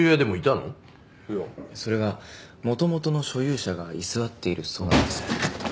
それが元々の所有者が居座っているそうなんです。